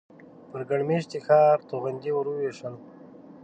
پر ګڼ مېشتي ښار توغندي وورول شول.